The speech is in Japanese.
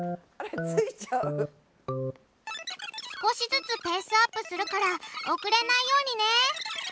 少しずつペースアップするから遅れないようにね！